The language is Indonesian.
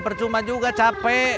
percuma juga capek